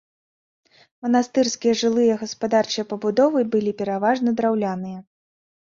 Манастырскія жылыя і гаспадарчыя пабудовы былі пераважна драўляныя.